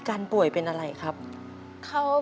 เขาป่วยเป็นเส้นเลือดในสมองแตกค่ะ